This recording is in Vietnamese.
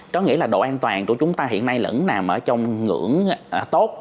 đó nghĩa là độ an toàn của chúng ta hiện nay vẫn nằm trong ngưỡng tốt